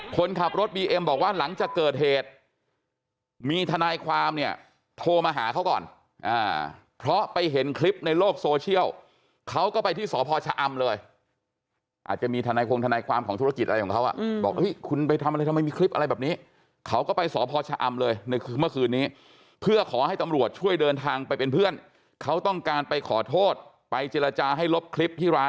คนขับรถบีเอ็มบอกว่าหลังจากเกิดเหตุมีทนายความเนี่ยโทรมาหาเขาก่อนเพราะไปเห็นคลิปในโลกโซเชียลเขาก็ไปที่สพชะอำเลยอาจจะมีทนายโครงทนายความของธุรกิจอะไรของเขาบอกคุณไปทำอะไรทำไมมีคลิปอะไรแบบนี้เขาก็ไปสพชะอำเลยในเมื่อคืนนี้เพื่อขอให้ตำรวจช่วยเดินทางไปเป็นเพื่อนเขาต้องการไปขอโทษไปเจรจาให้ลบคลิปที่ร